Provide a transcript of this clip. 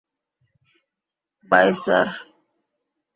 By sir.